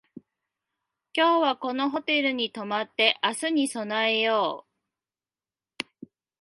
今日はこのホテルに泊まって明日に備えよう